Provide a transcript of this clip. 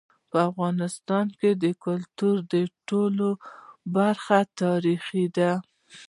د افغانستان د کلتور ټولي برخي تاریخي دي.